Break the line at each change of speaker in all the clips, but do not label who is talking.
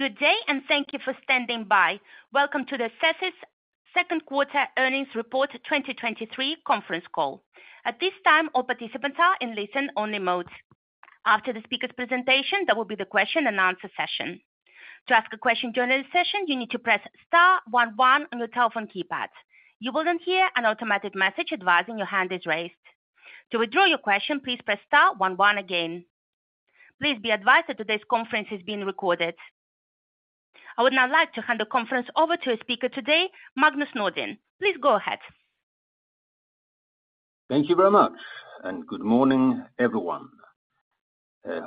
Good day, and thank you for standing by. Welcome to the Tethys Oil second quarter earnings report, 2023 conference call. At this time, all participants are in listen-only mode. After the speaker presentation, there will be the question and answer session. To ask a question during the session, you need to press star one one on your telephone keypad. You will then hear an automatic message advising your hand is raised. To withdraw your question, please press star one one again. Please be advised that today's conference is being recorded. I would now like to hand the conference over to a speaker today, Magnus Nordin. Please go ahead.
Thank you very much, good morning, everyone.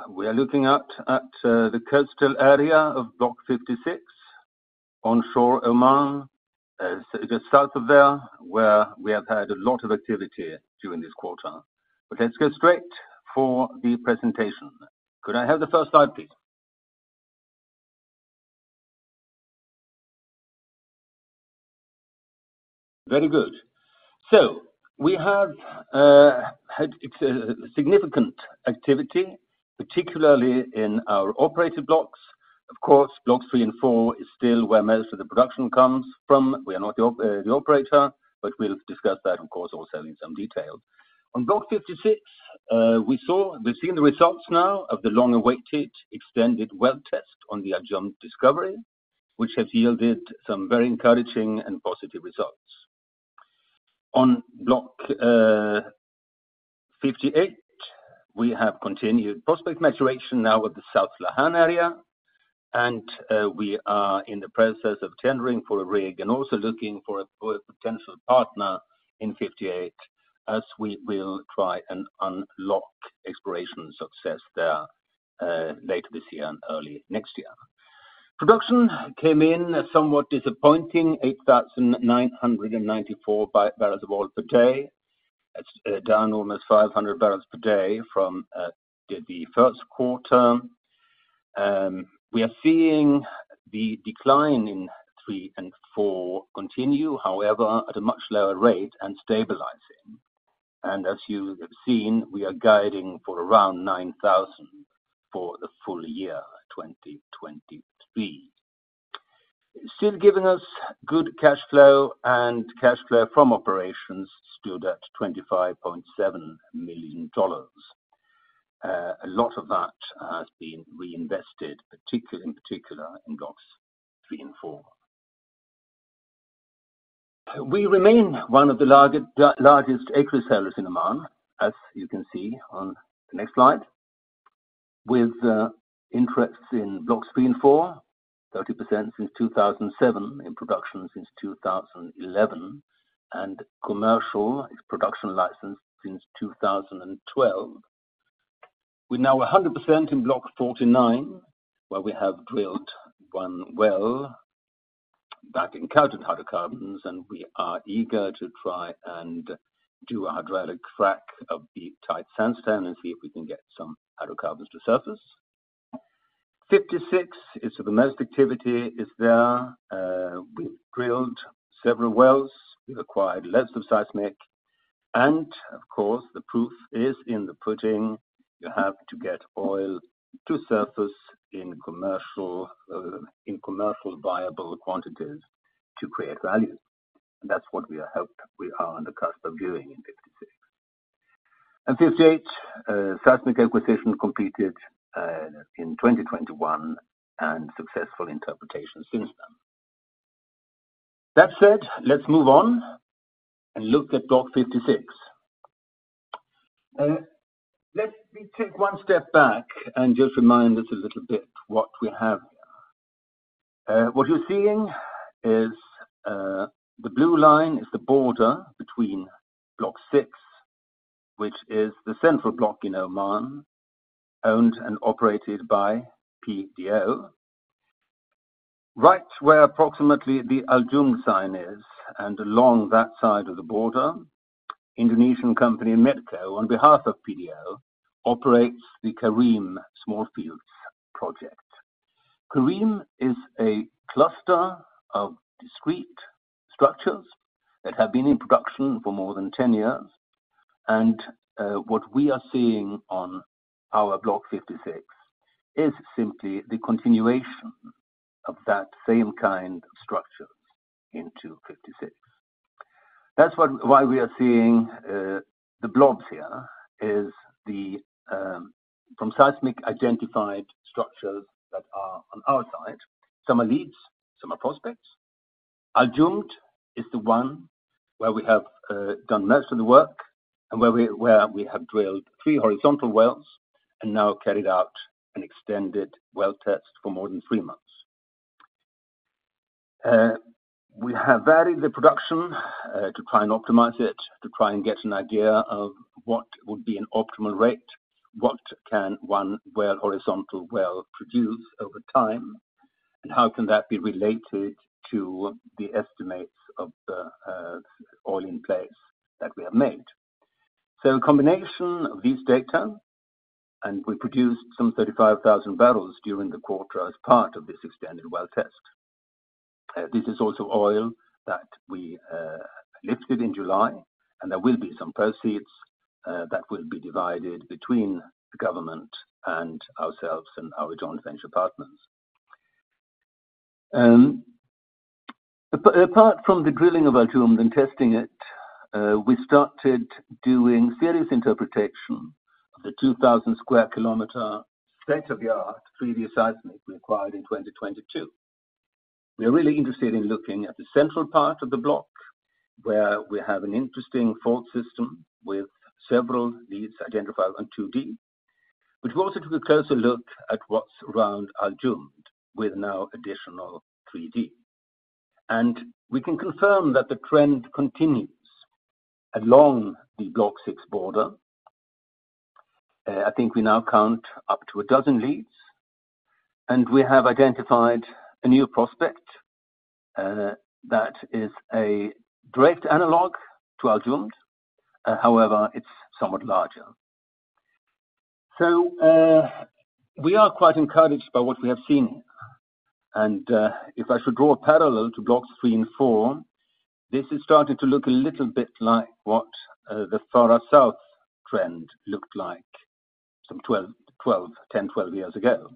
We are looking out at the coastal area of Block 56, onshore Oman, as just south of there, where we have had a lot of activity during this quarter. Let's go straight for the presentation. Could I have the first slide, please? Very good. We have had significant activity, particularly in our operator blocks. Of course, Blocks three and four is still where most of the production comes from. We are not the operator, but we'll discuss that, of course, also in some detail. On Block 56, we've seen the results now of the long-awaited extended well test on the Al Jumd discovery, which has yielded some very encouraging and positive results. On Block 58, we have continued prospect maturation now with the South Lahan area, and we are in the process of tendering for a rig and also looking for a potential partner in 58, as we will try and unlock exploration success there later this year and early next year. Production came in as somewhat disappointing, 8,994 barrels of oil per day. That's down almost 500 barrels per day from the first quarter. We are seeing the decline Block three and four continue, however, at a much lower rate and stabilizing. As you have seen, we are guiding for around 9,000 for the full year, 2023. Still giving us good cash flow, and cash flow from operations stood at $25.7 million. A lot of that has been reinvested, particularly, in particular in Block three and four. We remain one of the largest, largest acreage sellers in Oman, as you can see on the next slide, with interests in Block three and four, 30% since 2007, in production since 2011, and commercial production license since 2012. We're now 100% in Block 49, where we have drilled one well that encountered hydrocarbons, and we are eager to try and do a hydraulic frack of the tight sandstone and see if we can get some hydrocarbons to surface. Block 56 is where the most activity is there. We've drilled several wells. We've acquired lots of seismic, and of course, the proof is in the pudding. You have to get oil to surface in commercial, in commercial viable quantities to create value. That's what we are hoped we are on the cusp of viewing in 56. 58, seismic acquisition completed in 2021 and successful interpretation since then. That said, let's move on and look at Block 56. Let me take one step back and just remind us a little bit what we have here. What you're seeing is, the blue line is the border between Block six, which is the central block in Oman, owned and operated by PDO. Right where approximately the Al Jumd sign is, and along that side of the border, Indonesian company, Medco, on behalf of PDO, operates the Karim Small Fields project. Karim is a cluster of discrete structures that have been in production for more than 10 years, and what we are seeing on our Block 56 is simply the continuation of that same kind of structures into 56. That's why we are seeing the blobs here is the from seismic identified structures that are on our side. Some are leads, some are prospects. Al Jumd is the one where we have done most of the work and where we, where we have drilled three horizontal wells and now carried out an extended well test for more than three months. We have varied the production to try and optimize it, to try and get an idea of what would be an optimal rate, what can one well, horizontal well produce over time, and how can that be related to the estimates of the oil in place that we have made? A combination of these data, and we produced some 35,000 barrels during the quarter as part of this extended well test. This is also oil that we lifted in July, and there will be some proceeds that will be divided between the government and ourselves and our joint venture partners. Apart from the drilling of Al Jumd and testing it, we started doing serious interpretation of the 2,000 square kilometer state-of-the-art 3D seismic we acquired in 2022. We are really interested in looking at the central part of the block, where we have an interesting fault system with several leads identified on 2D. We've also took a closer look at what's around Al Jumd, with now additional 3D. We can confirm that the trend continues along the Block six border. I think we now count up to 12 leads, and we have identified a new prospect that is a direct analog to Al Jumd. However, it's somewhat larger. We are quite encouraged by what we have seen, and if I should draw a parallel to Block three and four, this is starting to look a little bit like what the Farha South trend looked like some 12, 12, 10, 12 years ago.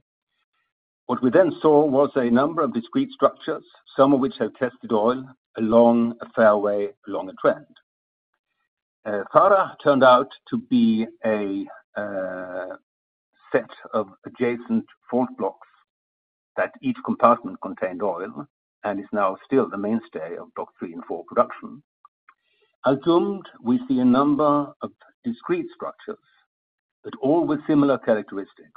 What we then saw was a number of discrete structures, some of which have tested oil along a fairway, along a trend. Farha turned out to be a set of adjacent fault blocks, that each compartment contained oil and is now still the mainstay of Block three and four production. Al Jumd, we see a number of discrete structures, all with similar characteristics.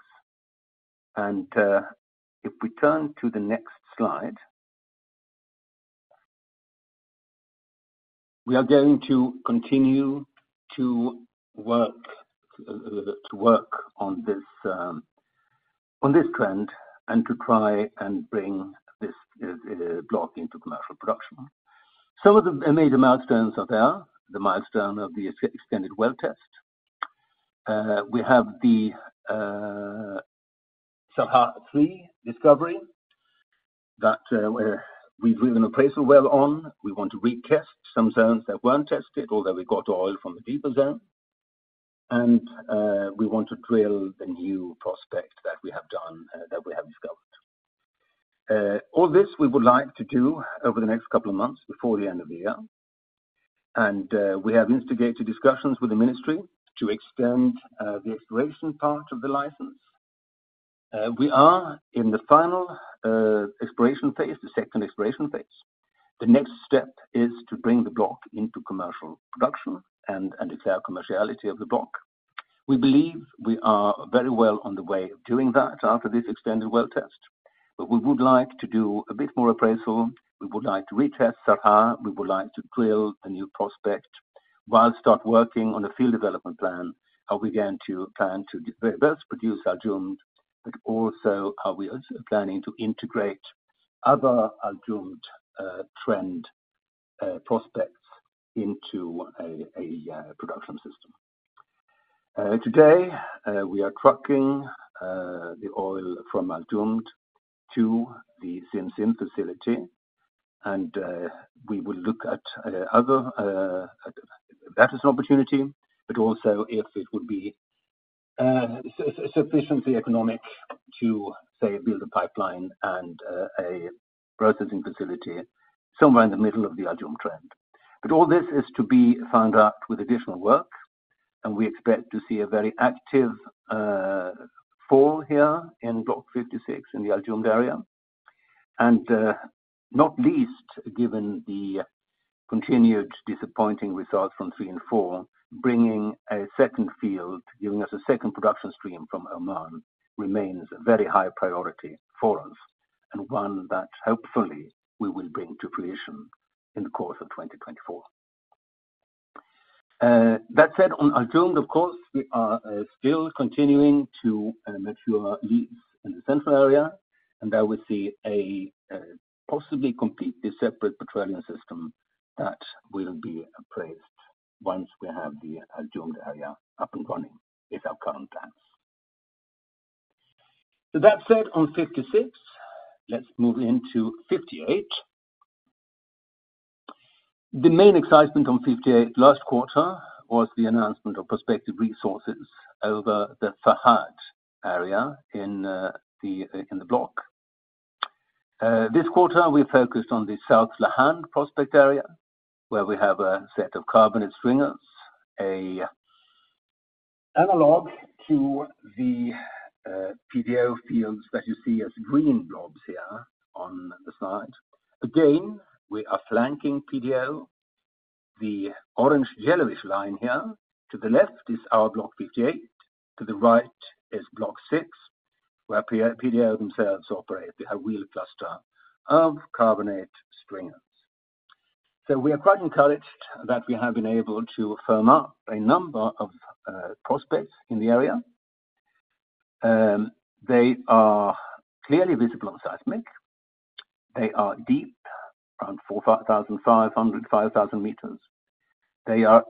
If we turn to the next slide, we are going to continue to work to work on this on this trend and to try and bring this block into commercial production. Some of the major milestones are there, the milestone of the ex- extended well test. We have the Sarha-3 discovery that we've driven appraisal well on. We want to retest some zones that weren't tested, although we got oil from the deeper zone. We want to drill the new prospect that we have done, that we have discovered. All this we would like to do over the next couple of months before the end of the year. We have instigated discussions with the ministry to extend the exploration part of the license. We are in the final exploration phase, the second exploration phase. The next step is to bring the block into commercial production and declare commerciality of the block. We believe we are very well on the way of doing that after this extended well test. We would like to do a bit more appraisal, we would like to retest Sarha, we would like to drill a new prospect while start working on a field development plan. Are we going to plan to di- first produce Al Jumd, but also are we also planning to integrate other Al Jumd trend prospects into a production system? Today, we are trucking the oil from Al Jumd to the Simsim facility, and we will look at other that as an opportunity, but also if it would be s- sufficiently economic to, say, build a pipeline and a processing facility somewhere in the middle of the Al Jumd trend. All this is to be found out with additional work, and we expect to see a very active fall here in Block 56, in the Al Jumd area. Not least, given the continued disappointing results Block three and four, bringing a second field, giving us a second production stream from Oman, remains a very high priority for us and one that hopefully we will bring to fruition in the course of 2024. That said, on Al Jumd, of course, we are still continuing to mature leads in the central area, and there we see a possibly completely separate petroleum system that will be appraised once we have the Al Jumd area up and running with our current plans. On Block 56, let's move into Block 58. The main excitement on Block 58 last quarter was the announcement of prospective resources over the Fahd area in the Block. This quarter, we focused on the South Lahan prospect area, where we have a set of carbonate stringers, a analog to the PDO fields that you see as green blobs here on the side. Again, we are flanking PDO. The orange yellowish line here to the left is our Block 58, to the right is Block six, where PDO themselves operate. They have wheel cluster of carbonate stringers. We are quite encouraged that we have been able to firm up a number of prospects in the area. They are clearly visible on seismic. They are deep, around 4,500-5,000 meters. They are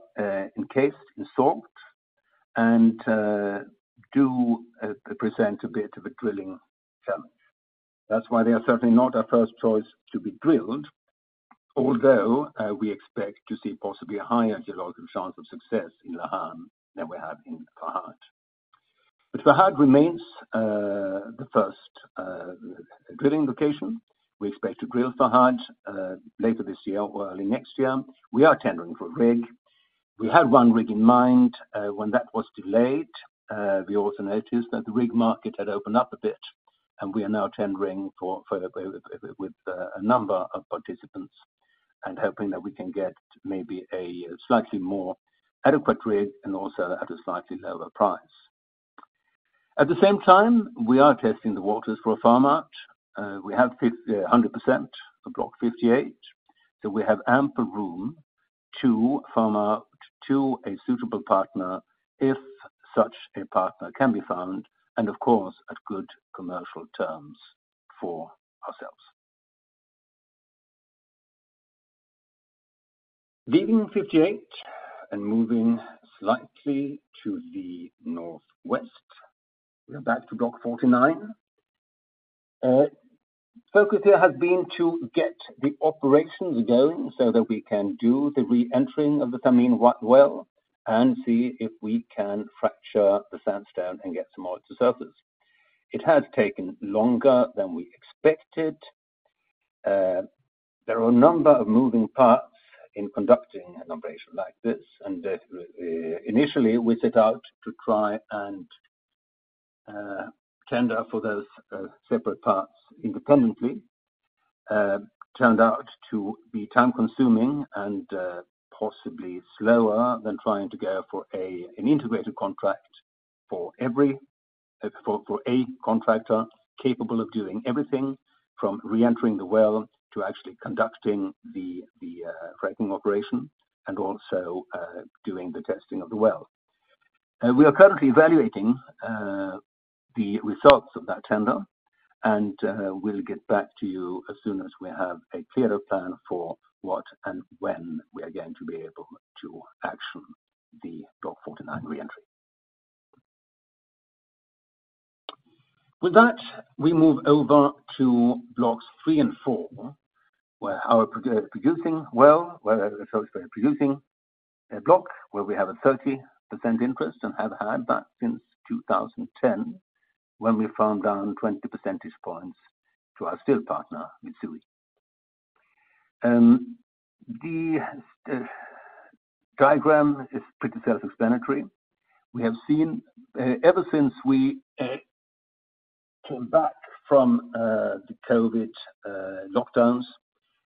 encased in salt and do present a bit of a drilling challenge. That's why they are certainly not our first choice to be drilled, although, we expect to see possibly a higher geological chance of success in Lahan than we have in Farhad. Farhad remains, the first, drilling location. We expect to drill Farhad, later this year or early next year. We are tendering for a rig. We had one rig in mind, when that was delayed, we also noticed that the rig market had opened up a bit, and we are now tendering for further with, with a number of participants, and hoping that we can get maybe a slightly more adequate rig and also at a slightly lower price. At the same time, we are testing the waters for a farmout. We have 100% of Block 58, so we have ample room to farm out to a suitable partner, if such a partner can be found, and of course, at good commercial terms for ourselves. Leaving 58 and moving slightly to the northwest, we are back to Block 49. Focus here has been to get the operations going so that we can do the reentering of the Thameen well, and see if we can fracture the sandstone and get some oil to surface. It has taken longer than we expected. There are a number of moving parts in conducting an operation like this, and initially, we set out to try and tender for those separate parts independently. Turned out to be time-consuming and possibly slower than trying to go for a, an integrated contract for every, for a contractor capable of doing everything from reentering the well to actually conducting the fracking operation, and also doing the testing of the well. We are currently evaluating the results of that tender, and we'll get back to you as soon as we have a clearer plan for what and when we are going to be able to action the Block 49 reentry. With that, we move over to Block three and four, where our producing well, where we are producing a block, where we have a 30% interest and have had that since 2010, when we farmed down 20 percentage points to our still partner, Mitsui. The diagram is pretty self-explanatory. We have seen ever since we came back from the COVID lockdowns,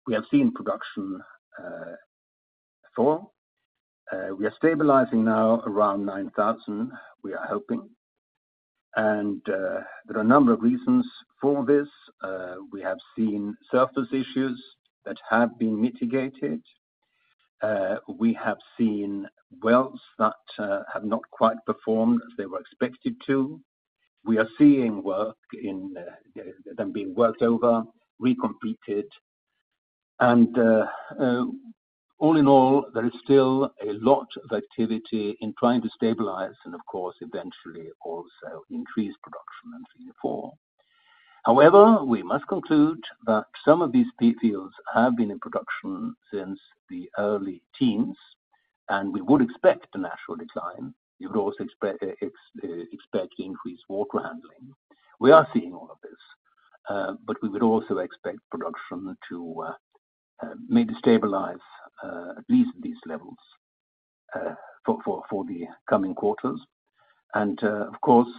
we have seen production fall. We are stabilizing now around 9,000, we are hoping. There are a number of reasons for this. We have seen surface issues that have been mitigated. We have seen wells that have not quite performed as they were expected to. We are seeing work in them being worked over, recompleted. All in all, there is still a lot of activity in trying to stabilize and of course, eventually also increase production in three and four. However, we must conclude that some of these fields have been in production since the early teens, and we would expect a natural decline. You would also expect increased water handling. We are seeing all of this, but we would also expect production to maybe stabilize at least these levels for the coming quarters. Of course,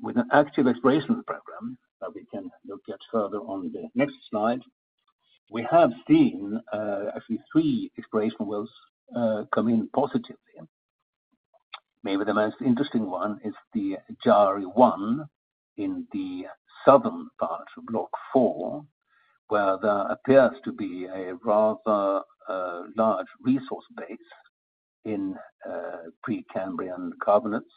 with an active exploration program that we can look at further on the next slide, we have seen actually three exploration wells come in positively. Maybe the most interesting one is the Jari-1 in the southern part of Block four, where there appears to be a rather large resource base in Precambrian carbonates.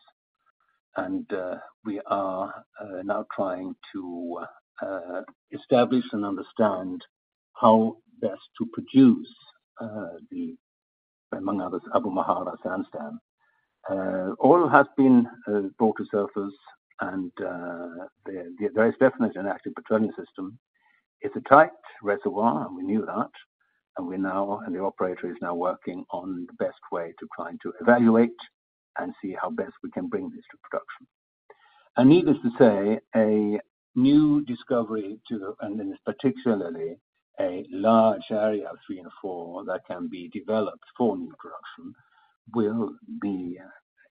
We are now trying to establish and understand how best to produce the, among others, Abu Mahara sandstone. Oil has been brought to surface and there is definitely an active petroleum system. It's a tight reservoir, and we knew that, and we now, and the operator is now working on the best way to try to evaluate and see how best we can bring this to production. Needless to say, a new discovery to the... and particularly a large area of Block three and Block four that can be developed for new production, will be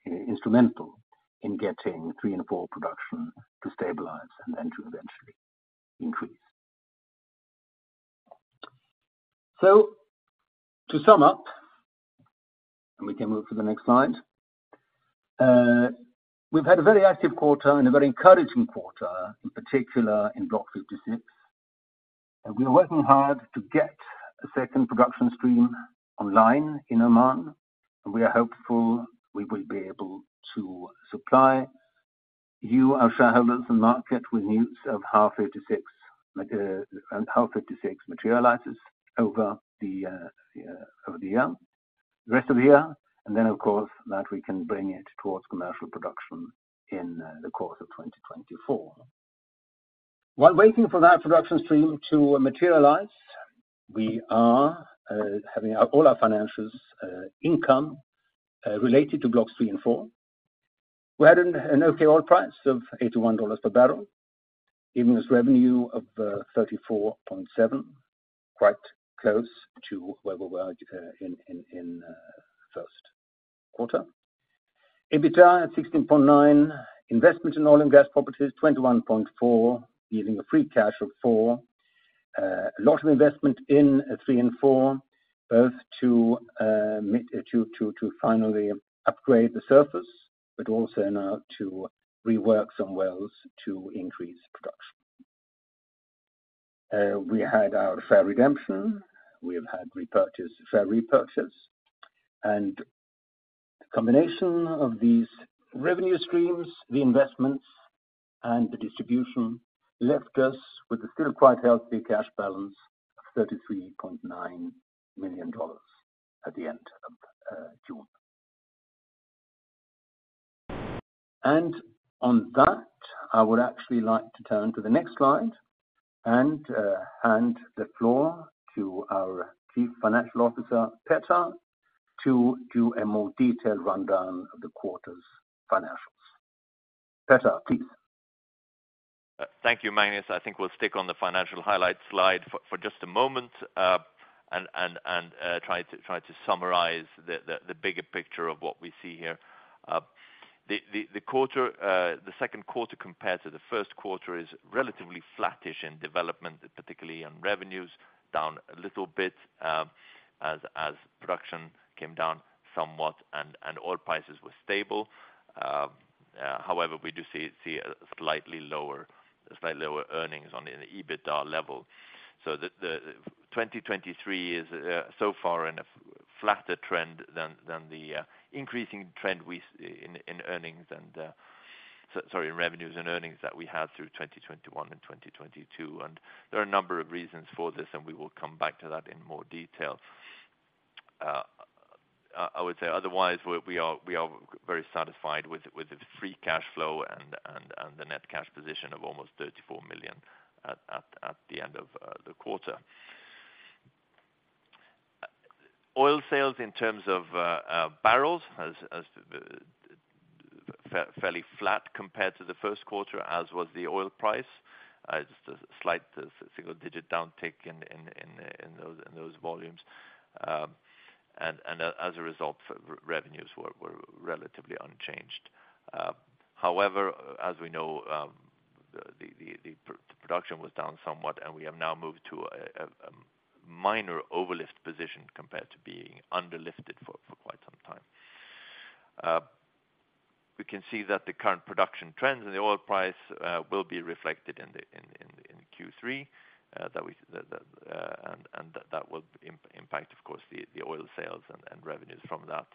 instrumental in getting Block three and Block four production to stabilize and to eventually increase. To sum up, and we can move to the next slide, we've had a very active quarter and a very encouraging quarter, in particular in Block 56. We are working hard to get a second production stream online in Oman, and we are hopeful we will be able to supply-... you, our shareholders and market, with news of how Block 56, like, and how Block 56 materializes over the, the, over the year, the rest of the year, then, of course, that we can bring it towards commercial production in the course of 2024. While waiting for that production stream to materialize, we are having our, all our financials, income, related to Block three and four. We had an okay oil price of $81 per barrel, giving us revenue of $34.7 million, quite close to where we were in first quarter. EBITDA at $16.9 million, investment in oil and gas properties, $21.4 million, giving a free cash of $4 million. A lot of investment in three and four, both to meet, to finally upgrade the surface, but also now to rework some wells to increase production. We had our share redemption, we have had repurchase, share repurchase, and the combination of these revenue streams, the investments, and the distribution, left us with a still quite healthy cash balance of $33.9 million at the end of June. On that, I would actually like to turn to the next slide and hand the floor to our Chief Financial Officer, Petter, to do a more detailed rundown of the quarter's financials. Petter, please.
Thank you, Magnus. I think we'll stick on the financial highlights slide for just a moment and try to summarize the bigger picture of what we see here. The quarter, the second quarter compared to the first quarter, is relatively flattish in development, particularly on revenues, down a little bit, as production came down somewhat and oil prices were stable. However, we do see a slightly lower, slightly lower earnings on the EBITDA level. The 2023 is so far in a flatter trend than the increasing trend we in earnings and sorry, in revenues and earnings that we had through 2021 and 2022. There are a number of reasons for this, and we will come back to that in more detail. I would say otherwise, we are very satisfied with the free cash flow and the net cash position of almost $34 million at the end of the quarter. Oil sales in terms of barrels, as fairly flat compared to the first quarter, as was the oil price. Just a slight single-digit downtick in those volumes. As a result, revenues were relatively unchanged. However, as we know, production was down somewhat, and we have now moved to a minor overlift position compared to being underlifted for quite some time. We can see that the current production trends and the oil price will be reflected in Q3 that we, and that will impact, of course, the oil sales and revenues from that.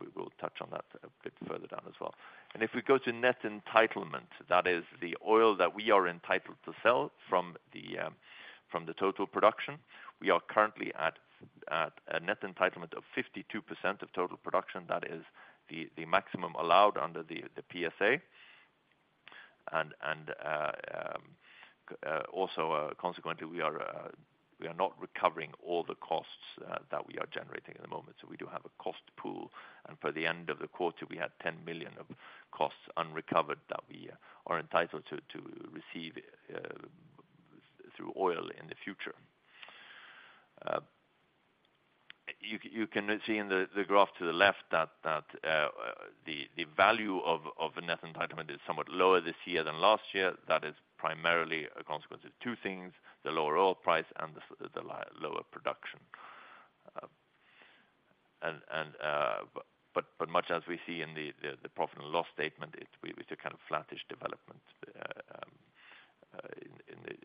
We will touch on that a bit further down as well. If we go to net entitlement, that is the oil that we are entitled to sell from the total production. We are currently at a net entitlement of 52% of total production. That is the maximum allowed under the PSA. Also, consequently, we are not recovering all the costs that we are generating at the moment, so we do have a cost pool. For the end of the quarter, we had $10 million of costs unrecovered that we are entitled to, to receive through oil in the future. You, you can see in the graph to the left that, that the value of a net entitlement is somewhat lower this year than last year. That is primarily a consequence of two things: the lower oil price and the lower production. But much as we see in the profit and loss statement, it, we, it's a kind of flattish development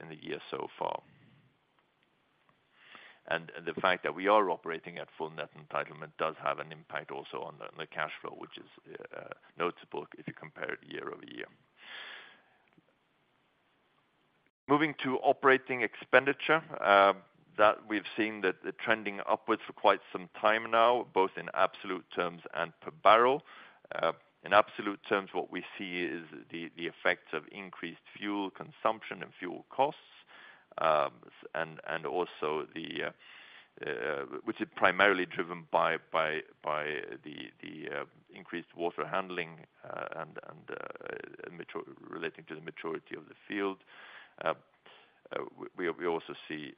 in the year so far. The fact that we are operating at full net entitlement does have an impact also on the cash flow, which is notable if you compare it year-over-year. Moving to operating expenditure, that we've seen that the trending upwards for quite some time now, both in absolute terms and per barrel. In absolute terms, what we see is the effects of increased fuel consumption and fuel costs, and also the, which is primarily driven by the increased water handling, relating to the maturity of the field. We also see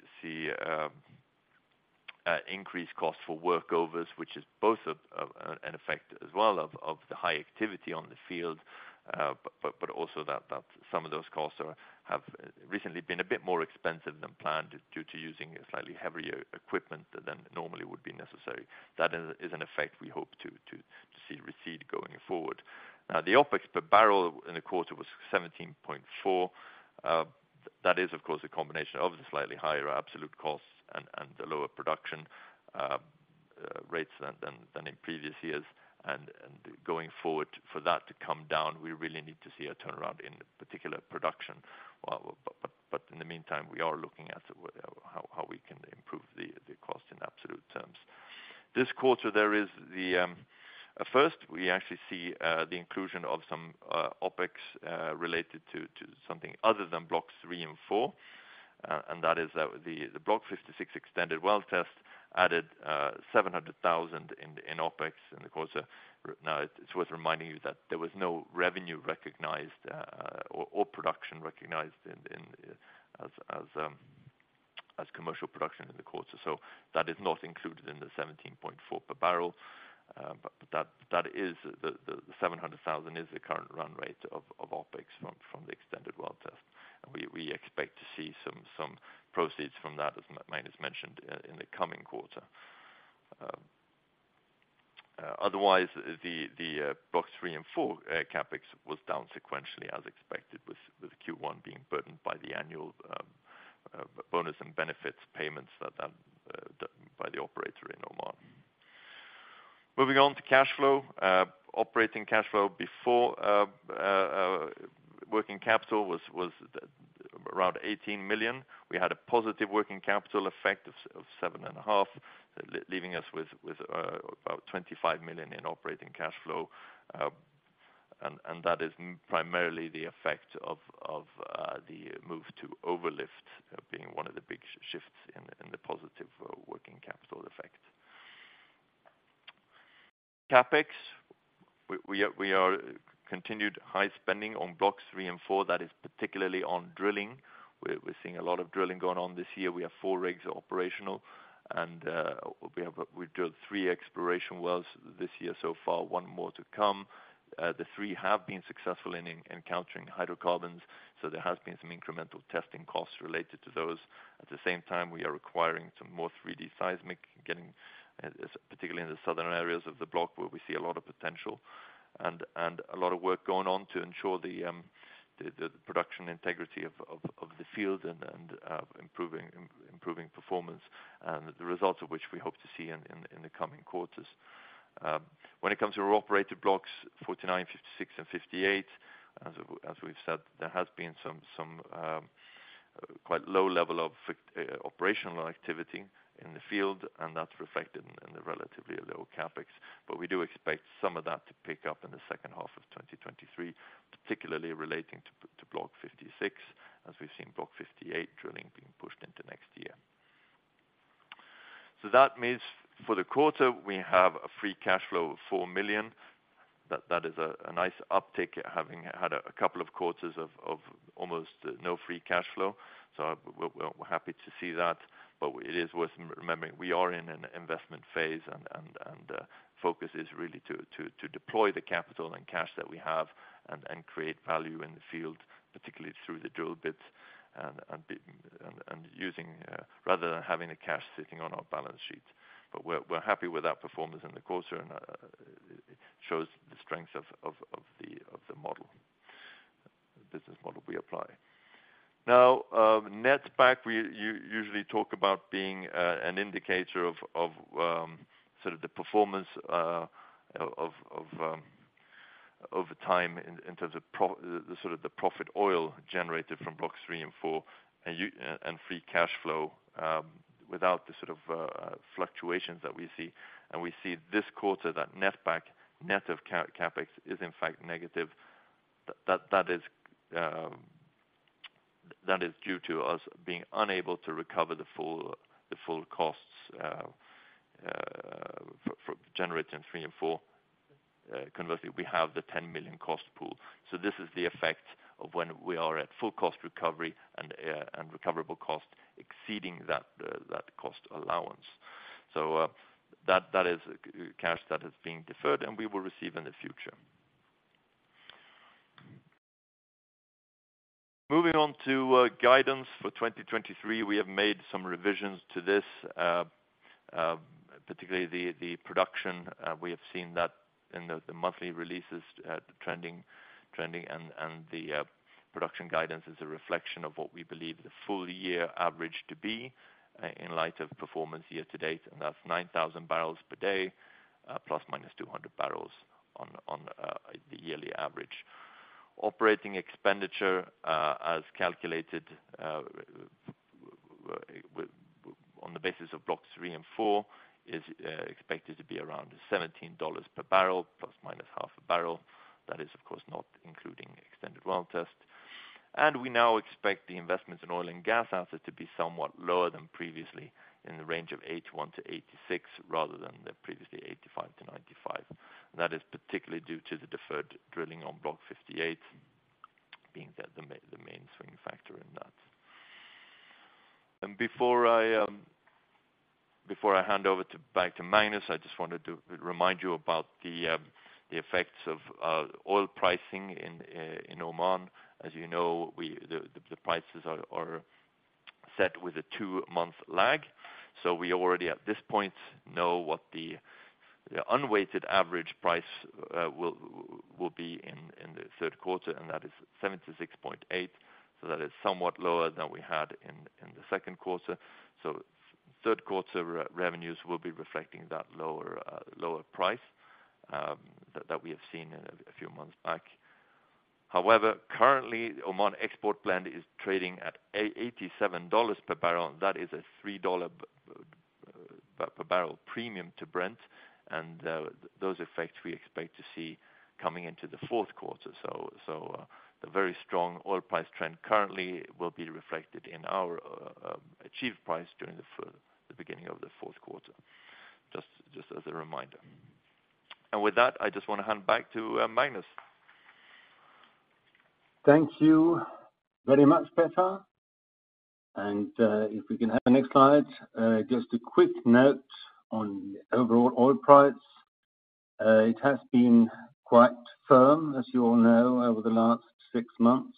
increased cost for workovers, which is both an effect as well of the high activity on the field, but also that some of those costs have recently been a bit more expensive than planned due to using a slightly heavier equipment than normally would be necessary. That is, is an effect we hope to, to, to see recede going forward. The OpEx per barrel in the quarter was $17.4. That is, of course, a combination of the slightly higher absolute costs and, and the lower production rates than, than, than in previous years. And going forward for that to come down, we really need to see a turnaround in particular production. But in the meantime, we are looking at how, how we can improve the, the cost in absolute terms. This quarter, there is the first, we actually see the inclusion of some OpEx related to, to something other than Block three and four. That is the, the Block 56 extended well test added $700,000 in, in OpEx in the quarter. It's worth reminding you that there was no revenue recognized or production recognized in as commercial production in the quarter. That is not included in the $17.4 per barrel. That is the $700,000 is the current run rate of OpEx from the extended well test. We expect to see some proceeds from that, as Magnus mentioned, in the coming quarter. Otherwise, the Block three and four CapEx was down sequentially as expected, with Q1 being burdened by the annual bonus and benefits payments that by the operator in Oman. Moving on to cash flow. Operating cash flow before working capital was around $18 million. We had a positive working capital effect of, of $7.5, leaving us with, with, about $25 million in operating cash flow. That is primarily the effect of, of, the move to overlift, being one of the big shifts in, in the positive, working capital effect. CapEx, we, we are, we are continued high spending on Block three and four, that is particularly on drilling. We're seeing a lot of drilling going on this year. We have 4 rigs operational, and, we have, we drilled 3 exploration wells this year so far, 1 more to come. The 3 have been successful in, in encountering hydrocarbons, so there has been some incremental testing costs related to those. At the same time, we are acquiring some more 3D seismic, getting, particularly in the southern areas of the block, where we see a lot of potential. A lot of work going on to ensure the production integrity of the field and improving performance, and the results of which we hope to see in the coming quarters. When it comes to our operated Blocks 49, 56, and 58, as we've said, there has been some quite low level of operational activity in the field, and that's reflected in the relatively low CapEx. We do expect some of that to pick up in the second half of 2023, particularly relating to Block 56, as we've seen Block 58 drilling being pushed into next year. That means for the quarter, we have a free cash flow of $4 million. That is a nice uptick, having had a couple of quarters of almost no free cash flow, we're happy to see that. It is worth remembering, we are in an investment phase, focus is really to deploy the capital and cash that we have and create value in the field, particularly through the drill bits and using rather than having the cash sitting on our balance sheet. We're happy with that performance in the quarter, it shows the strength of the model, business model we apply. Now, netback, we usually talk about being an indicator of, of sort of the performance, of, of over time in, in terms of the sort of the profit oil generated from Block three and four, and free cash flow, without the sort of fluctuations that we see. We see this quarter, that netback, net of CapEx, is in fact negative. That is due to us being unable to recover the full costs for generating three and four. Conversely, we have the $10 million cost pool, so this is the effect of when we are at full cost recovery and recoverable cost exceeding that cost allowance. That is cash that is being deferred, and we will receive in the future. Moving on to guidance for 2023, we have made some revisions to this, particularly the production. We have seen that in the monthly releases, trending, trending, the production guidance is a reflection of what we believe the full year average to be in light of performance year to date, and that's 9,000 barrels per day ±200 barrels on the yearly average. OpEx, as calculated on the basis of Block three and four, is expected to be around $17 per barrel ±0.5 barrel. That is, of course, not including extended well test. We now expect the investments in oil and gas assets to be somewhat lower than previously, in the range of $81 million-$86 million, rather than the previously $85 million-$95 million. That is particularly due to the deferred drilling on Block 58, being the main swinging factor in that. Before I, before I hand over to, back to Magnus, I just wanted to remind you about the effects of oil pricing in Oman. As you know, the prices are set with a two-month lag, so we already, at this point, know what the unweighted average price will be in the third quarter, and that is $76.8, so that is somewhat lower than we had in the second quarter. Third quarter revenues will be reflecting that lower, lower price that we have seen a few months back. However, currently, Oman Export Blend is trading at $87 per barrel. That is a $3 per barrel premium to Brent. Those effects we expect to see coming into the fourth quarter. The very strong oil price trend currently will be reflected in our achieved price during the beginning of the fourth quarter. Just, just as a reminder. With that, I just wanna hand back to Magnus.
Thank you very much, Petter. If we can have the next slide, just a quick note on overall oil price. It has been quite firm, as you all know, over the last six months.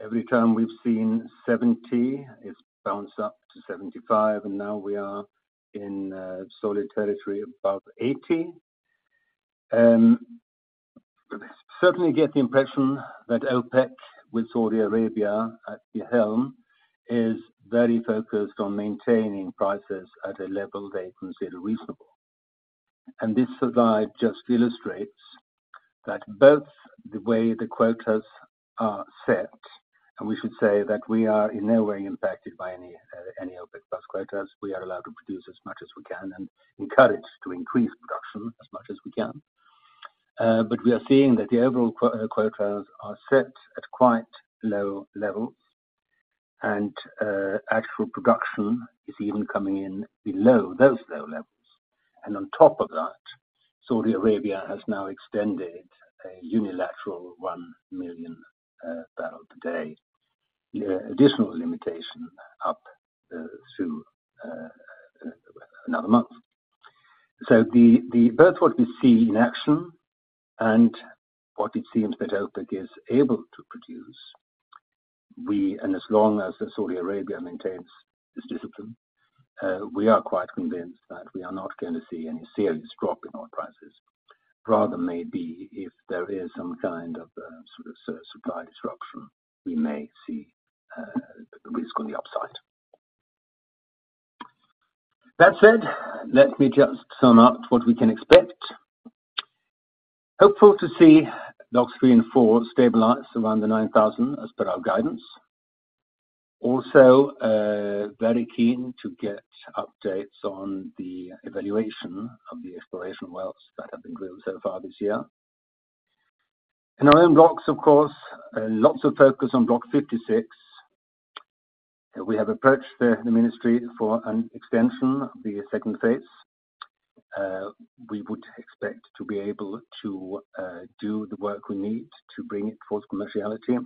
Every time we've seen $70, it's bounced up to $75, and now we are in solid territory above $80. Certainly get the impression that OPEC, with Saudi Arabia at the helm, is very focused on maintaining prices at a level they consider reasonable. This slide just illustrates that both the way the quotas are set, and we should say that we are in no way impacted by any, any OPEC+ quotas. We are allowed to produce as much as we can and encouraged to increase production as much as we can. We are seeing that the overall quotas are set at quite low levels, and actual production is even coming in below those low levels. On top of that, Saudi Arabia has now extended a unilateral 1 million barrel per day additional limitation up to another month. The both what we see in action and what it seems that OPEC is able to produce, as long as Saudi Arabia maintains this discipline, we are quite convinced that we are not going to see any serious drop in oil prices. Rather, maybe if there is some kind of supply disruption, we may see risk on the upside. That said, let me just sum up what we can expect. Hopeful to see Block three and four stabilize around the 9,000, as per our guidance. Also, very keen to get updates on the evaluation of the exploration wells that have been drilled so far this year. In our own blocks, of course, lots of focus on Block 56. We have approached the, the ministry for an extension of the second phase. We would expect to be able to do the work we need to bring it towards commerciality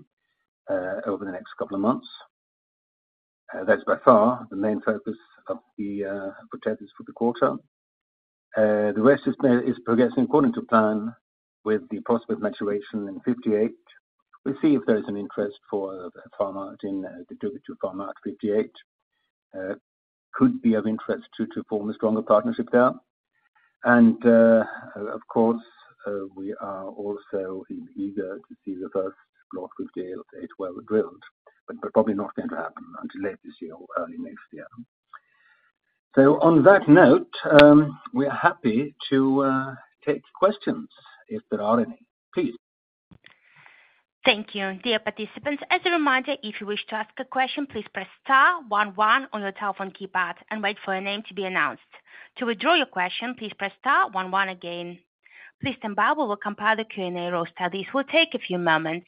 over the next 2 months. That's by far the main focus of the activities for the quarter. The rest is progressing according to plan with the possible maturation in 58. We'll see if there is an interest for a farmout in the due to farm out 58. Could be of interest to, to form a stronger partnership there. Of course, we are also eager to see the first block we've drilled, eight well drilled, but probably not going to happen until late this year or early next year. On that note, we are happy to take questions if there are any. Please.
Thank you. Dear participants, as a reminder, if you wish to ask a question, please press star one one on your telephone keypad and wait for your name to be announced. To withdraw your question, please press star again. Please stand by. We will compile the Q&A roster. This will take a few moments.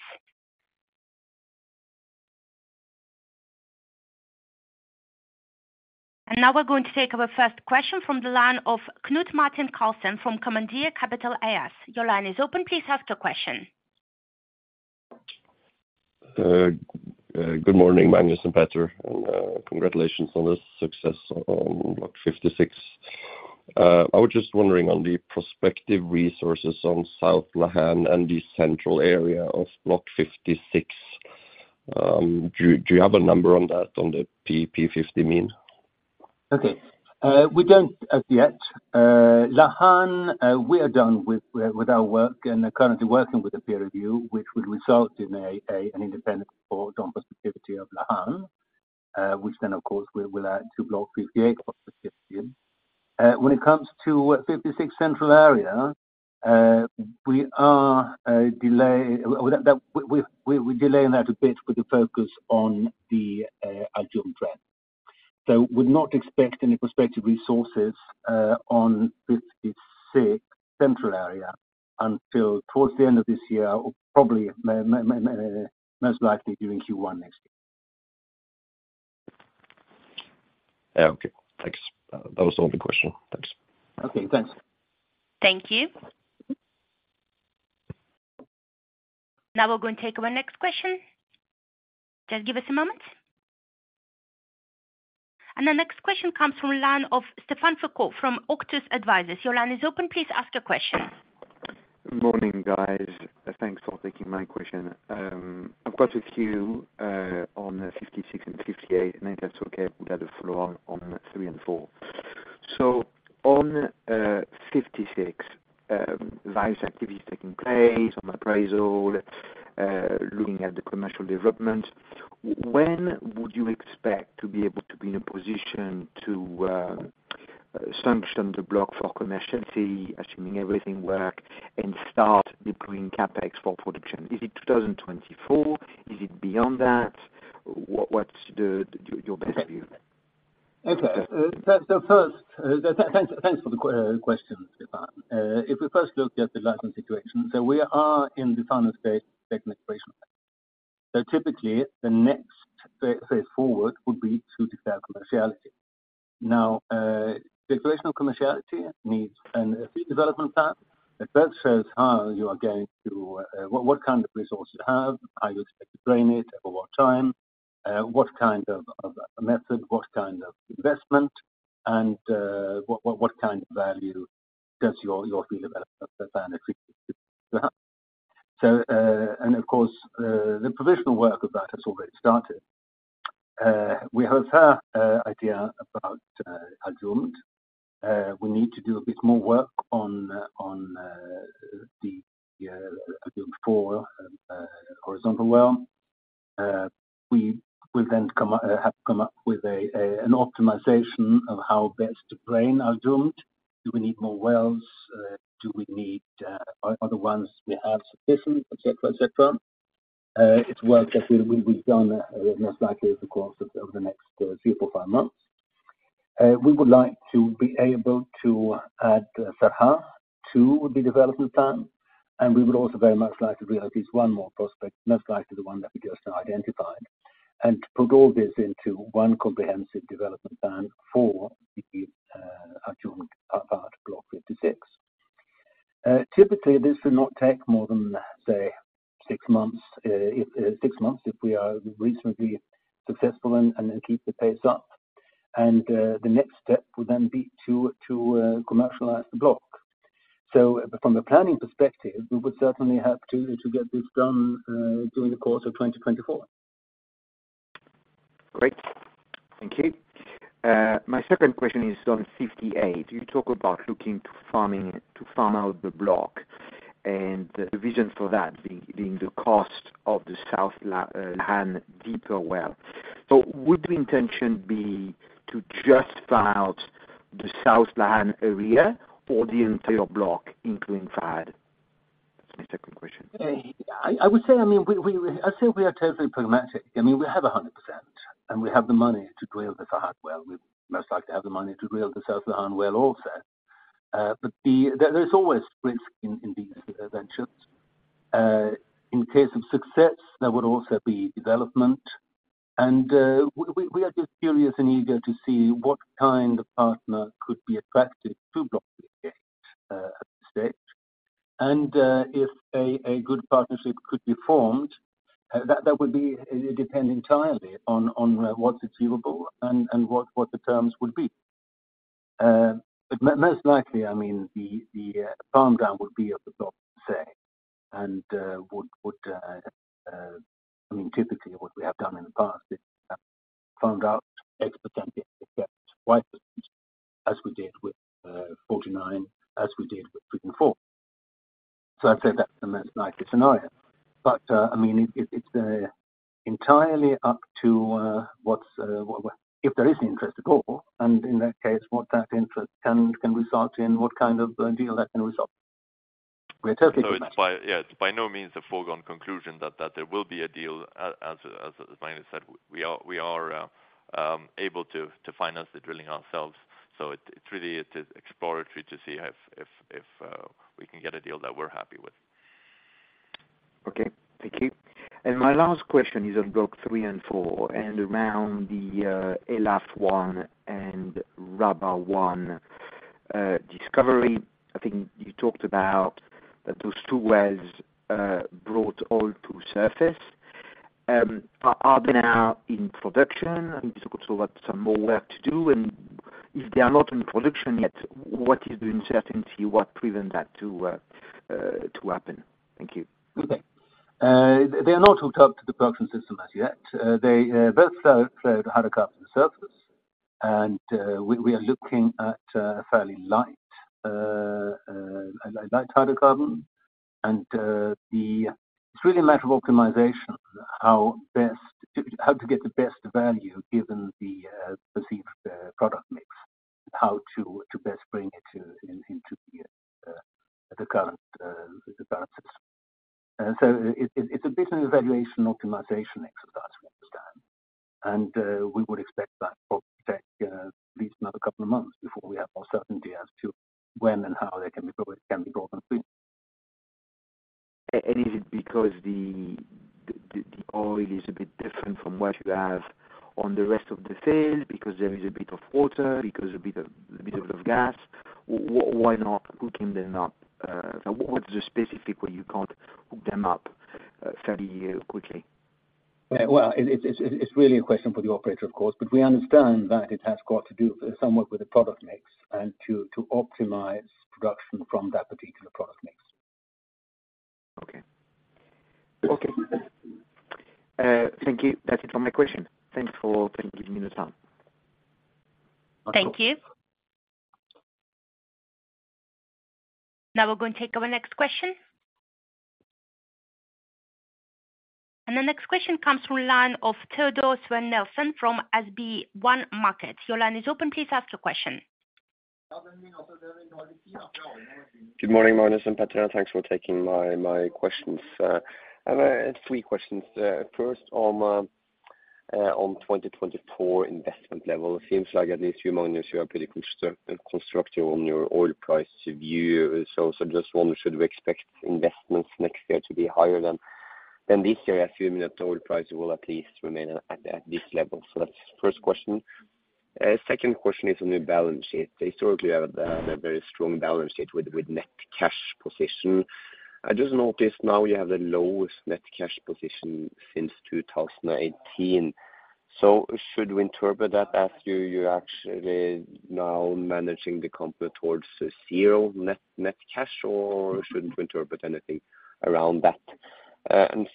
Now we're going to take our first question from the line of Knut Martin Carlson from Commandeer Capital AS. Your line is open. Please ask your question.
Good morning, Magnus and Petter, and congratulations on the success on Block 56. I was just wondering on the prospective resources on South Lahan and the central area of Block 56, do, do you have a number on that, on the P50 mean?
Okay. We don't as yet. Lahan, we are done with, with our work and are currently working with the peer review, which would result in an independent report on the activity of Lahan, which then, of course, we will add to Block 58. When it comes to Block 56 central area, we are delaying that a bit with the focus on the Al Jumd trend. Would not expect any prospective resources on Block 56 central area until towards the end of this year, or probably most likely during Q1 next year.
Okay. Thanks. That was all the question. Thanks.
Okay, thanks.
Thank you. Now we'll go and take our next question. Just give us a moment. The next question comes from line of Stephane Foucaud from Auctus Advisors. Your line is open. Please ask your question.
Good morning, guys. Thanks for taking my question. I've got a few on 56 and 58. If that's okay, we'll get a follow on three and four. On 56, various activities taking place on appraisal, looking at the commercial development, when would you expect to be able to be in a position to sanction the block for commerciality, assuming everything work and start deploying CapEx for production? Is it 2024? Is it beyond that? What's your best view?
Okay. First, thanks, thanks for the question, Stefan. If we first look at the licensing situation, we are in the final stage of technical evaluation. Typically, the next phase forward would be to declare commerciality. Now, declaration of commerciality needs a field development plan. That first shows how you are going to, what kind of resources you have, how you expect to drain it, over what time, what kind of method, what kind of investment, and what kind of value does your field development plan expect to have? Of course, the provisional work of that has already started. We have heard idea about Al Jumd. We need to do a bit more work on the Al Jumd 4 horizontal well. We then come up, have come up with an optimization of how best to drain Al Jumd. Do we need more wells? Do we need, are the ones we have sufficient? Et cetera, et cetera. It's work that will be done most likely over the course of, over the next 3 or 4, 5 months. We would like to be able to add Farha to the development plan, and we would also very much like to drill at least one more prospect, most likely the one that we just identified, and put all this into one comprehensive development plan for the Al Jumd part, Block 56. Typically, this will not take more than, say, 6 months, if 6 months, if we are reasonably successful and, and then keep the pace up. The next step would then be to, to commercialize the block. From the planning perspective, we would certainly have to, to get this done during the course of 2024.
Great. Thank you. My second question is on 58. You talk about looking to farming, to farm out the block, and the vision for that being the cost of the South Lahan deeper well. Would the intention be to just farm out the South Lahan area or the entire block, including Fahd? That's my second question.
I, I would say, I mean, we, we, I'd say we are totally pragmatic. I mean, we have 100%, and we have the money to drill the Farhan well. We most likely have the money to drill the South Lahan well also. The, there, there's always risk in, in these ventures. In case of success, there would also be development, and we, we, we are just curious and eager to see what kind of partner could be attracted to Block 58 at this stage. If a, a good partnership could be formed, that, that would be, it depend entirely on, on, what's achievable and, and what, what the terms would be. But most likely, I mean, the farm-down would be of the block, say, and would, I mean, typically what we have done in the past is found out exponentially, twice as we did with 49, as we did with three and four. I'd say that's the most likely scenario. But, I mean, it's entirely up to what's, what, what... If there is interest at all, and in that case, what that interest can, can result in, what kind of a deal that can result. We're totally committed.
It's by, yeah, it's by no means a foregone conclusion that, that there will be a deal, as Magnus said, we are, we are able to finance the drilling ourselves. It, it's really, it is exploratory to see if, if, if we can get a deal that we're happy with.
Okay. Thank you. My last question is on Block three and four, and around the Elaf-1 and Rabab-1 discovery. I think you talked about that those two wells brought oil to surface. Are they now in production? I mean, some more work to do, and if they are not in production yet, what is the uncertainty? What prevents that to happen? Thank you.
Okay. They are not hooked up to the production system as yet. They both flow, flowed hydrocarbons to the surface, and we are looking at fairly light light hydrocarbon. It's really a matter of optimization, how best to get the best value given the perceived product mix, how to best bring it to into the current the current system. It, it, it's a business evaluation optimization exercise, we understand. We would expect that to take at least another couple of months before we have more certainty as to when and how they can be brought, can be brought on stream.
Is it because the oil is a bit different from what you have on the rest of the field, because there is a bit of water, because a bit of gas? Why not hooking them up? So what is the specific way you can't hook them up fairly quickly?
Well, it's really a question for the operator, of course, but we understand that it has got to do somewhat with the product mix and to optimize production from that particular product mix.
Okay. Okay. Thank you. That's it for my question. Thanks for taking the time.
Thank you. Now we're going to take our next question. The next question comes from line of Teodor Sveen-Nilsen from SB1 Markets. Your line is open. Please ask your question.
Good morning, Magnus and Petter. Thanks for taking my, my questions. I have three questions. First, on 2024 investment level, it seems like at least you, Magnus, you are pretty constr- constructive on your oil price view. Just one, should we expect investments next year to be higher than, than this year, assuming that the oil price will at least remain at, at this level? That's the first question. Second question is on your balance sheet. Historically, you have a, a very strong balance sheet with, with net cash position. I just noticed now you have the lowest net cash position since 2018. Should we interpret that as you, you're actually now managing the company towards a zero net, net cash, or should we interpret anything around that?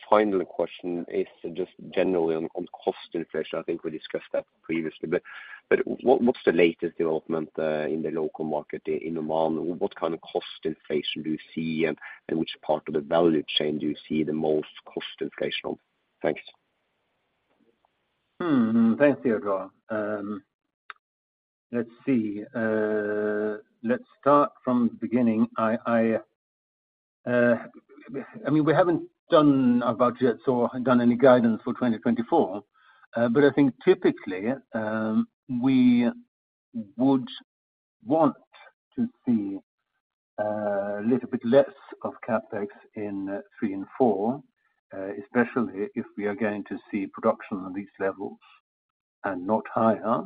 Final question is just generally on, on cost inflation. I think we discussed that previously, but, but what, what's the latest development in the local market in Oman? What kind of cost inflation do you see, and, and which part of the value chain do you see the most cost inflation on? Thanks.
Hmm. Thanks, Teodor. Let's see. Let's start from the beginning. I mean, we haven't done a budget or done any guidance for 2024, I think typically, we would want to see a little bit less of CapEx in block three and four, especially if we are going to see production on these levels and not higher.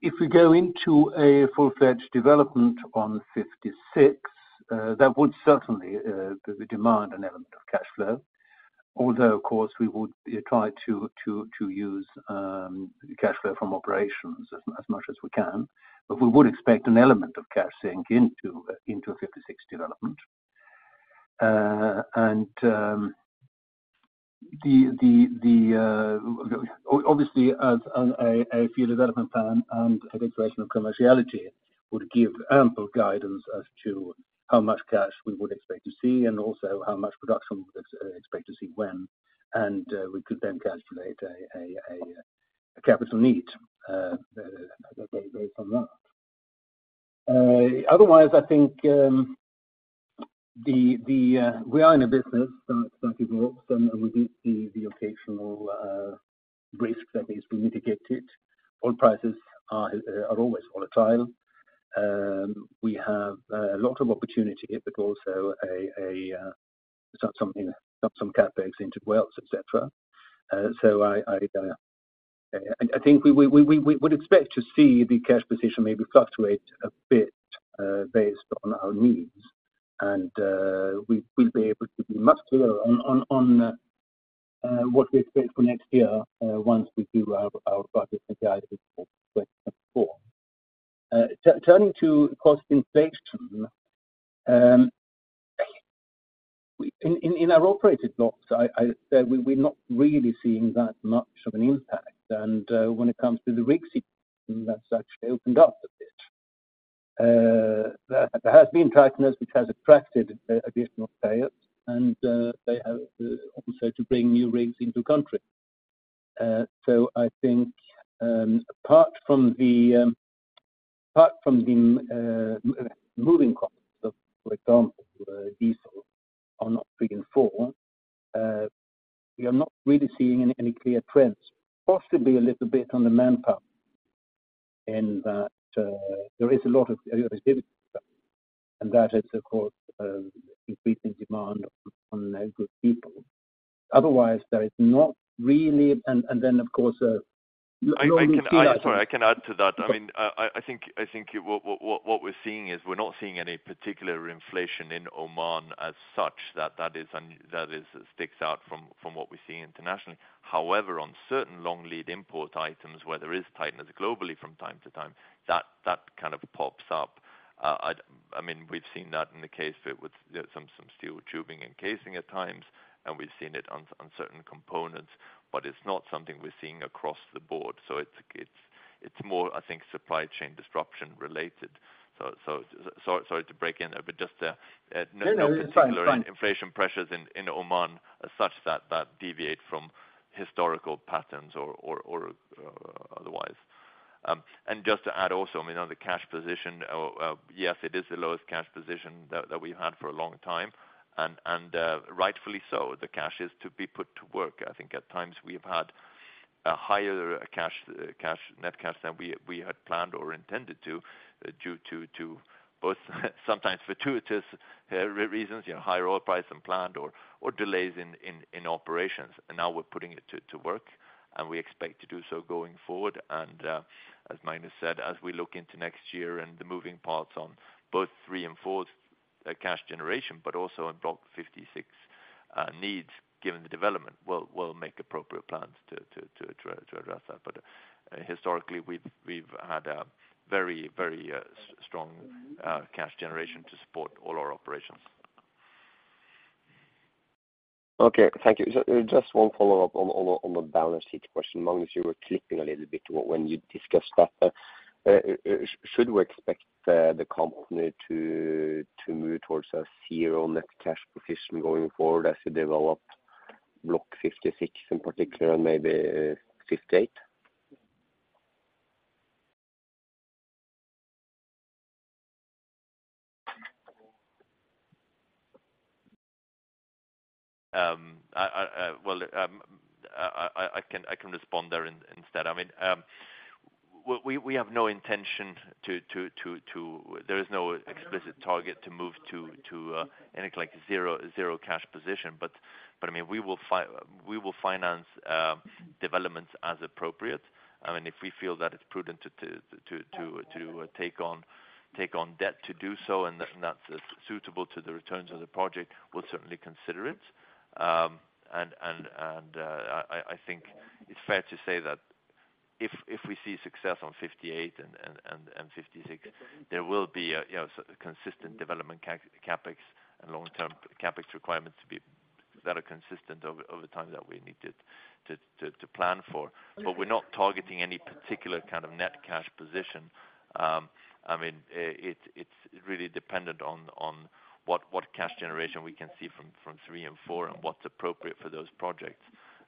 If we go into a full-fledged development on Block 56, that would certainly demand an element of cash flow. Although, of course, we would try to, to, to use cash flow from operations as much as we can, we would expect an element of cash sink into a Block 56 development. Obviously, as a field development plan and I think rational commerciality would give ample guidance as to how much cash we would expect to see, and also how much production we expect to see when, we could then calculate a capital need based on that. Otherwise, I think, we are in a business that, that is often we do see the occasional risk that needs to be mitigated. Oil prices are always volatile. We have a lot of opportunity, but also CapEx into wells, et cetera. I think we would expect to see the cash position maybe fluctuate a bit based on our needs, and we'll be able to be much clearer on what we expect for next year once we do our budget and guidance for 2024. Turning to cost inflation, in our operated blocks, we're not really seeing that much of an impact. When it comes to the rig, that's actually opened up a bit. There has been tightness which has attracted additional players, and they have also to bring new rigs into country. I think, apart from the, apart from the moving costs, for example, diesel on three and four, we are not really seeing any, any clear trends. Possibly a little bit on the manpower in that, there is a lot of activity, and that has, of course, increasing demand on a group of people. Otherwise, there is not really...
I, I can add, sorry, I can add to that. I mean, I, I think, I think what, what, what we're seeing is we're not seeing any particular inflation in Oman as such, that, that is un- that is, sticks out from, from what we're seeing internationally. However, on certain long lead import items where there is tightness globally from time to time, that, that kind of pops up. I'd, I mean, we've seen that in the case with some, some steel tubing and casing at times, and we've seen it on, on certain components, but it's not something we're seeing across the board. So it's, it's, it's more, I think, supply chain disruption related. Sorry to break in, but just.
No, no. It's fine.
Inflation pressures in, in Oman are such that, that deviate from historical patterns or, or, or, otherwise. Just to add also, I mean, on the cash position, yes, it is the lowest cash position that, that we've had for a long time, and, and, rightfully so. The cash is to be put to work. I think at times we've had a higher cash, cash, net cash than we, we had planned or intended to, due to, to both sometimes fortuitous reasons, you know, higher oil price than planned or, or delays in, in, in operations. Now we're putting it to, to work, and we expect to do so going forward. As Magnus said, as we look into next year and the moving parts on both three and four... a cash generation, but also in Block 56 needs, given the development, we'll, we'll make appropriate plans to, to, to, to address that. Historically, we've, we've had a very, very strong cash generation to support all our operations.
Okay, thank you. Just one follow-up on, on the, on the balance sheet question, Magnus, you were clipping a little bit when you discussed that. Should we expect the company to move towards a zero net cash position going forward as you develop Block 56, in particular, maybe 58?
Well, I can respond there instead. I mean, we have no intention to. There is no explicit target to move to any like zero, zero cash position. I mean, we will finance developments as appropriate. I mean, if we feel that it's prudent to take on debt to do so, and that's suitable to the returns on the project, we'll certainly consider it. I think it's fair to say that if we see success on 58 and 56, there will be a, you know, consistent development CapEx and long-term CapEx requirements to be, that are consistent over time that we needed to plan for. We're not targeting any particular kind of net cash position. I mean, it's, it's really dependent on, on what, what cash generation we can see from, from Block 3 and Block 4, and what's appropriate for those projects.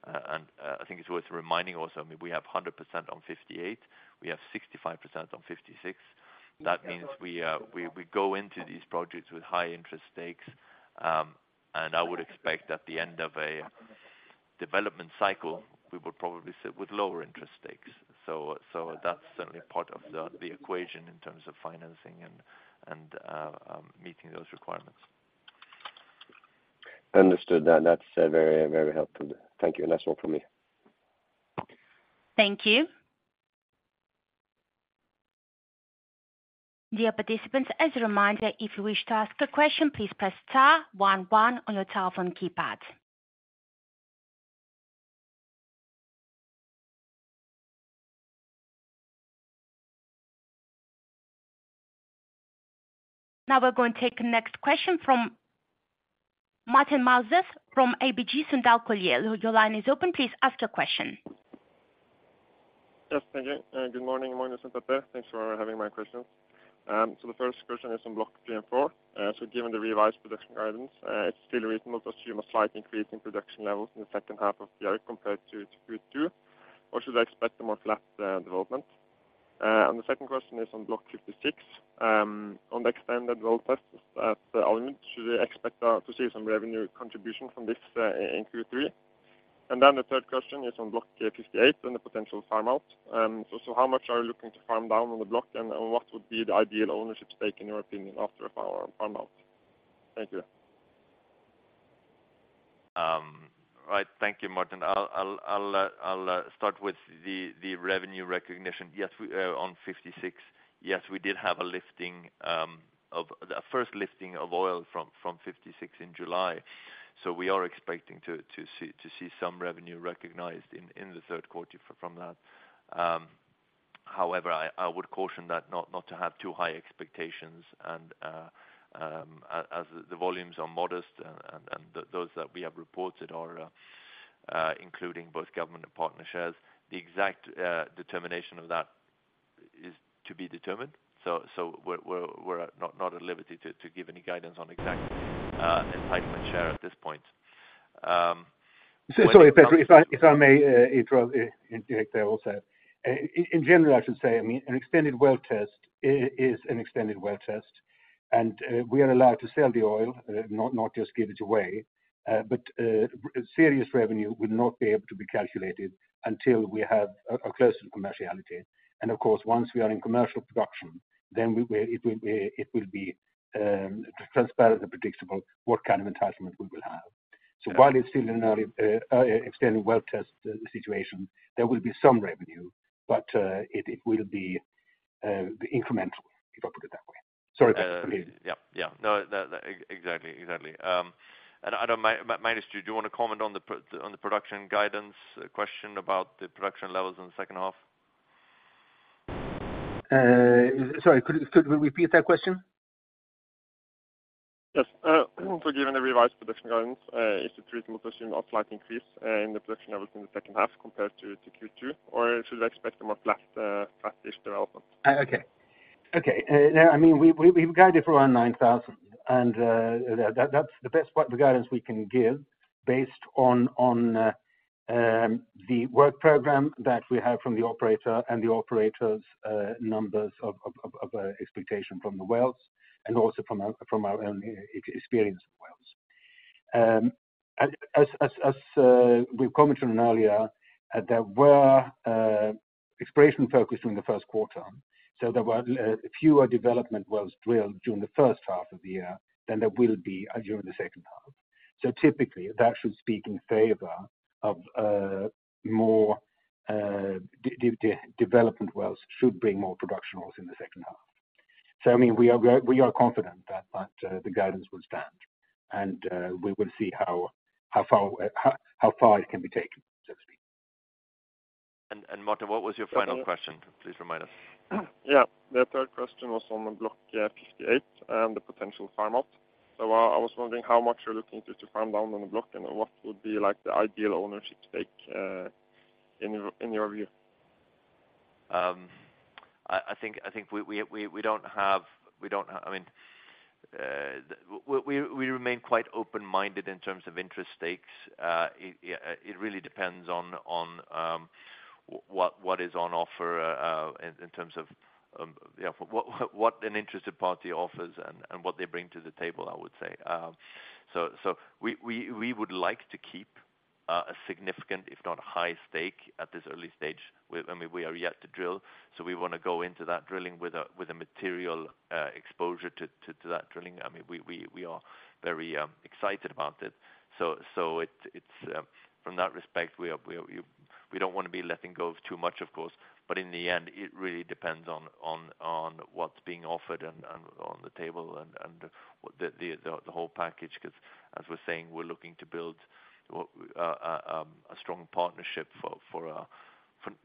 I think it's worth reminding also, I mean, we have 100% on Block 58, we have 65% on Block 56. That means we, we, we go into these projects with high interest stakes, and I would expect at the end of a development cycle, we will probably sit with lower interest stakes. That's certainly part of the, the equation in terms of financing and, and, meeting those requirements.
Understood. That, that's very, very helpful. Thank you. That's all from me.
Thank you. Dear participants, as a reminder, if you wish to ask a question, please press star one one on your telephone keypad. We're going to take the next question from Martin Melbye from ABG Sundal Collier. Your line is open. Please ask your question.
Yes. Thank you. Good morning, morning, everybody. Thanks for having my questions. The first question is on Block three and four. Given the revised production guidance, it's still reasonable to assume a slight increase in production levels in the second half of the year compared to Q2, or should I expect a more flat, development? The second question is on Block 56. On the extended well test at Al Jumd, should I expect to see some revenue contribution from this in Q3? The third question is on Block 58 and the potential farm out. How much are you looking to farm down on the block, and what would be the ideal ownership stake, in your opinion, after a farm out? Thank you.
Right. Thank you, Martin. I'll start with the revenue recognition. Yes, we on Block 56. Yes, we did have a lifting, a first lifting of oil from Block 56 in July, so we are expecting to see some revenue recognized in the third quarter from that. However, I would caution that not to have too high expectations and as the volumes are modest and those that we have reported are including both government and partner shares. The exact determination of that is to be determined. We're not at liberty to give any guidance on exact entitlement share at this point.
Sorry, Petter, if I, if I may interject there also. In general, I should say, I mean, an extended well test is an extended well test, we are allowed to sell the oil, not, not just give it away, but serious revenue would not be able to be calculated until we have a close to commerciality. Of course, once we are in commercial production, we will. It will be, it will be transparent and predictable what kind of entitlement we will have. While it's still an early extended well test situation, there will be some revenue, it, it will be incremental, if I put it that way. Sorry about that.
Yeah, yeah. No, that, exactly, exactly. Magnus, do you, do you want to comment on the production guidance question about the production levels in the second half?
Sorry, could, could you repeat that question?
Yes. Given the revised production guidance, is it reasonable to assume a slight increase in the production levels in the second half compared to Q2, or should I expect a more flat, flat-ish development?
Okay. Okay, I mean, we, we've guided for around 9,000, and that, that's the best part, the guidance we can give based on, on, the work program that we have from the operator and the operator's numbers of expectation from the wells, and also from our, from our own experience with wells. As, as, as, we've commented on earlier, there were exploration focus during the first quarter, so there were fewer development wells drilled during the first half of the year than there will be during the second half. Typically, that should speak in favor of, more, development wells should bring more production wells in the second half. I mean, we are confident that, that, the guidance will stand, and, we will see how, how far, how, how far it can be taken, so to speak.
Martin, what was your final question? Please remind us.
Yeah. The third question was on the Block 58 and the potential farmout. I was wondering how much you're looking to, to farm-down on the block, and what would be, like, the ideal ownership stake, in your, in your view?
I, I think, I think I mean, we remain quite open-minded in terms of interest stakes. It really depends on what is on offer, in terms of, yeah, what an interested party offers and what they bring to the table, I would say. We would like to keep a significant, if not a high stake at this early stage. We, I mean, we are yet to drill, so we wanna go into that drilling with a material exposure to that drilling. I mean, we are very excited about it. So it, it's, from that respect, we are, we, we don't wanna be letting go of too much, of course, but in the end, it really depends on, on, on what's being offered and, and on the table and, and what the, the, the, the whole package, 'cause as we're saying, we're looking to build a strong partnership for, for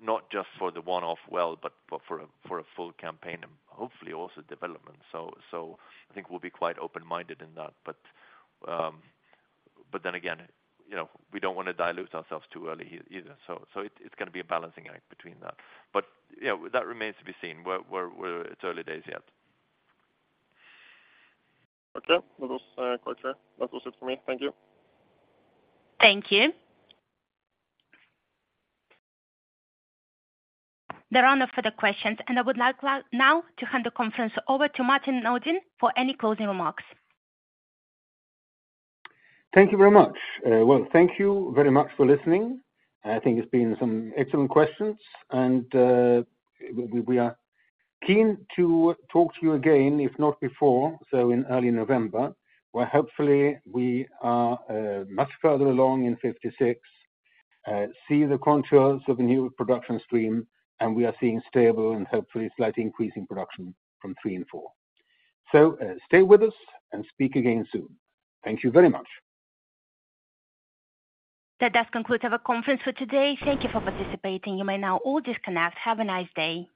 not just for the one-off well, but for, for a, for a full campaign and hopefully also development. So I think we'll be quite open-minded in that. Then again, you know, we don't wanna dilute ourselves too early here either. So it, it's gonna be a balancing act between that. Yeah, that remains to be seen. We're. It's early days yet.
Okay. That was quite clear. That was it for me. Thank you.
Thank you. There are no further questions, and I would like now to hand the conference over to Magnus Nordin for any closing remarks.
Thank you very much. Well, thank you very much for listening. I think it's been some excellent questions, and we are keen to talk to you again, if not before, so in early November, where hopefully we are much further along in Block 56, see the contours of the new production stream, and we are seeing stable and hopefully slightly increasing production from Block 3 and Block 4. Stay with us, and speak again soon. Thank you very much.
That does conclude our conference for today. Thank Thank you for participating. You may now all disconnect. Have a nice day.